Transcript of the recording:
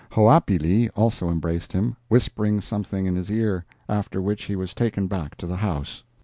Hoapili also embraced him, whispering something in his ear, after which he was taken back to the house.